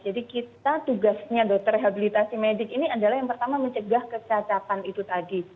jadi kita tugasnya dokter rehabilitasi medik ini adalah yang pertama mencegah kecacatan itu tadi